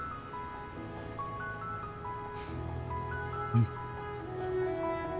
うん。